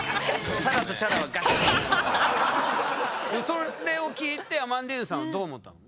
それを聞いてアマンディーヌさんはどう思ったの？